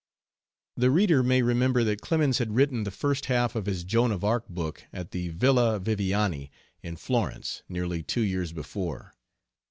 The reader may remember that Clemens had written the first half of his Joan of Arc book at the Villa Viviani, in Florence, nearly two years before.